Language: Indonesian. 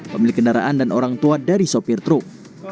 pemilik kendaraan dan orang tua dari sopir truk